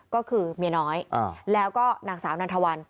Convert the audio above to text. ก็คือเมียน้อยแล้วก็นางสาวนันทวัน